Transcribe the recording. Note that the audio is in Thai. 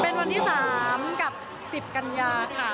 เป็นวันที่๓กับ๑๐กันยาค่ะ